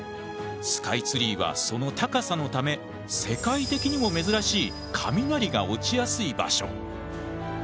スカイツリーはその高さのため世界的にも珍しい雷が落ちやすい場所。